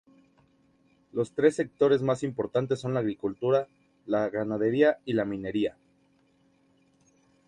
Los tres sectores más importantes son la agricultura, la ganadería y la minería.